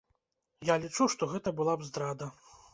Я лічу, што гэта была б здрада.